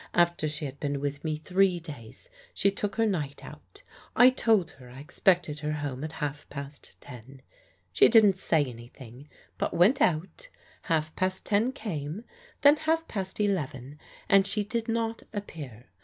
After she had been with me three days, she took her night out. I told her I expected her home at half past ten. She didn't say anything, but went out. Half past ten came, then half past eleven, and she did not appear.